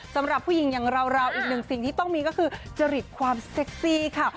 สำหรับผู้หญิงอย่างเราอีกหนึ่งสิ่งที่ต้องมีก็คือจริตความเซ็กซี่ค่ะ